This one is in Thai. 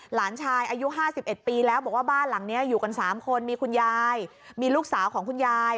หลานชายอายุ๕๑ปีแล้วบอกว่าบ้านหลังนี้อยู่กัน๓คนมีคุณยายมีลูกสาวของคุณยาย